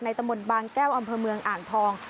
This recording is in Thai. ในตะหมดบางแก้วอำเภอเมืองอ่างท้อง